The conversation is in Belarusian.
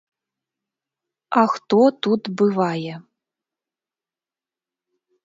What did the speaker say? А хто тут бывае?